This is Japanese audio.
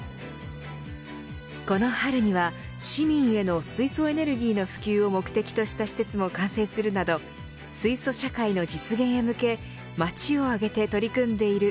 この春には市民への水素エネルギーの普及を目的とした施設も完成するなど水素社会の実現へ向け街をあげて取り組んでいる。